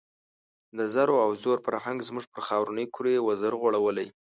د زرو او زور فرهنګ زموږ پر خاورینې کُرې وزر غوړولی.